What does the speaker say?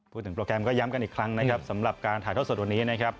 โปรแกรมก็ย้ำกันอีกครั้งนะครับสำหรับการถ่ายทอดสดวันนี้นะครับ